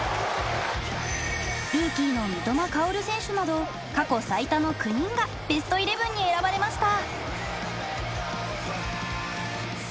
ルーキーの三笘薫選手など過去最多の９人がベストイレブンに選ばれました。